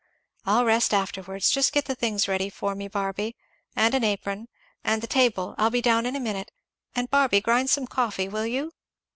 "I'll rest afterwards. Just get the things ready for me, Barby, and an apron; and the table I'll be down in a minute. And Barby, grind some coffee, will you?"